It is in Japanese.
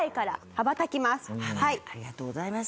羽ばたくありがとうございます。